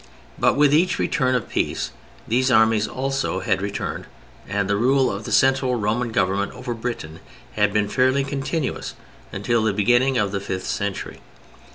But with each return of peace these armies also had returned and the rule of the central Roman government over Britain had been fairly continuous until the beginning of the fifth century.